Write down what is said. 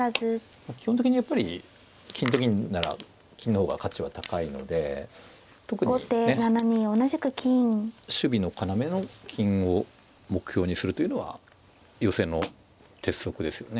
基本的にやっぱり金と銀なら金の方が価値は高いので特に守備の要の金を目標にするというのは寄せの鉄則ですよね。